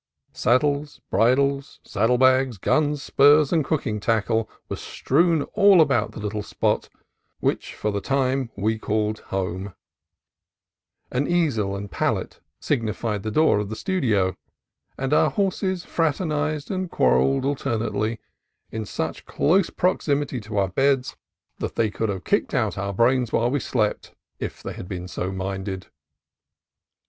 Saddles, bridles, saddle bags, guns, spurs, and cooking tackle were strewn all about the little spot which for the time we called home: an easel and palette signified the door of the studio; and our horses fraternized and quarrelled alternately in such close proximity to our beds that they could 22 CALIFORNIA COAST TRAILS have kicked out our brains as we slept if they had been so minded.